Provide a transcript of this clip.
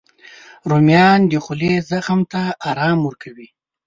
رومیان د خولې زخم ته ارام ورکوي